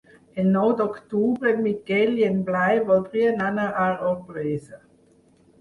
El nou d'octubre en Miquel i en Blai voldrien anar a Orpesa.